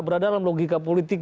berada dalam logika politik